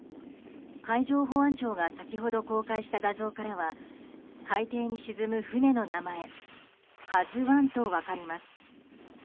海上保安庁が先ほど公開した画像からは海底に沈む船の名前「ＫＡＺＵ１」と分かります。